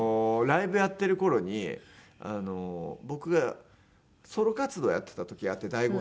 ライブやってる頃に僕がソロ活動やってた時あって。